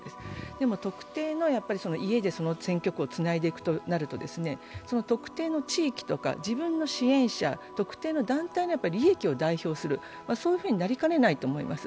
でも特定の家でその選挙区をつないでいくとなると、その特定の地域とか、自分の支援者、特定の団体の利益を代表する、そういうふうになりかねないと思います。